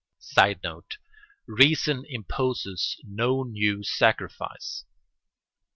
[Sidenote: Reason imposes no new sacrifice.